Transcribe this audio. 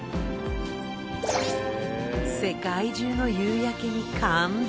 世界中の夕焼けに感動